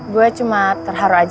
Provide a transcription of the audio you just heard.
gue cuma terharu aja